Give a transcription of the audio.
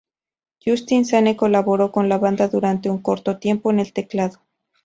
Justin Sane colaboro con la banda durante una corto tiempo con el teclado.